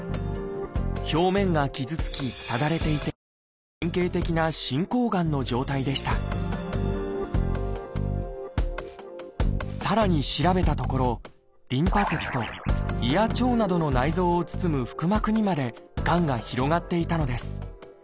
表面が傷つきただれていて典型的な進行がんの状態でしたさらに調べたところリンパ節と胃や腸などの内臓を包む腹膜にまでがんが広がっていたのです。